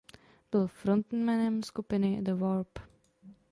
Byl frontmanem skupiny The Warp.